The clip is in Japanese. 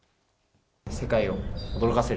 世界を驚かせる。